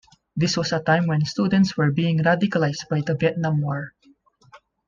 This was a time when students were being radicalised by the Vietnam war.